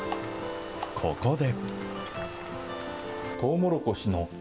ここで。